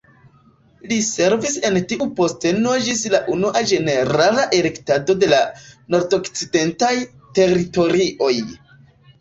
Li servis en tiu posteno ĝis la Unua ĝenerala elektado de la Nordokcidentaj Teritorioj.